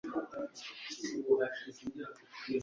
Ntabwo wifuzaga ko Tom apfa sibyo